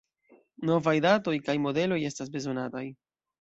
Novaj datoj kaj modeloj estas bezonataj.